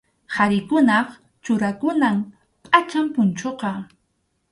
Qharikunap churakunan pʼacham punchuqa.